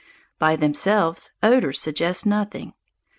By themselves, odours suggest nothing.